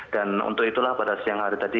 dan untuk itulah pada siang hari tadi